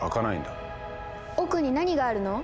奥に何があるの？